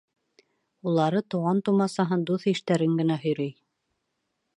Улары туған-тыумасаһын, дуҫ-иштәрен генә һөйрәй.